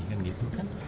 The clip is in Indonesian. kan gitu kan